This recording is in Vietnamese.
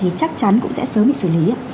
thì chắc chắn cũng sẽ sớm bị xử lý